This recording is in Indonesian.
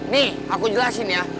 nih aku jelasin ya